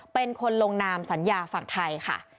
เป็นคนลงนามสัญญาฝั่งไทยค่ะ